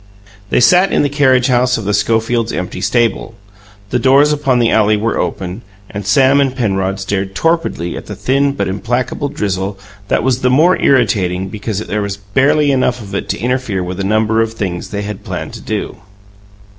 They sat in the carriage house of the Schofields' empty stable; the doors upon the alley were open, and Sam and Penrod stared torpidly at the thin but implacable drizzle that was the more irritating because there was barely enough of it to interfere with a number of things they had planned to do.